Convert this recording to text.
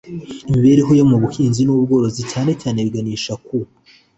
imibereho yabo mu buhinzi n ubworozi cyane cyane baganisha ku